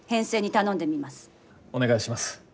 お願いします。